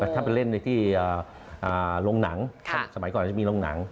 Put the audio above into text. ถ้าไปเล่นในที่โรงหนังสมัยก่อนจะมีโรงหนัง